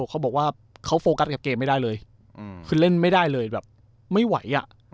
เขาบอกว่าเขาโฟกัสกับเกมไม่ได้เลยคือเล่นไม่ได้เลยแบบไม่ไหว